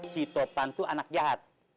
si topan itu anak jahat